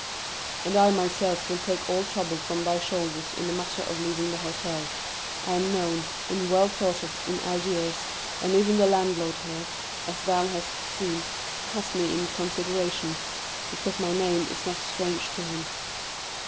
And I myself will take all trouble from thy shoulders in the matter of leaving the hotel. I am known and well thought of in Algiers and even the landlord here, as thou hast seen, has me in consideration, because my name is not strange to him.